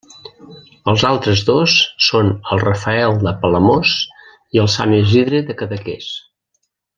Els altres dos són el Rafael de Palamós i el Sant Isidre de Cadaqués.